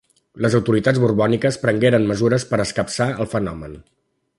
Les autoritats borbòniques prengueren mesures per escapçar el fenomen.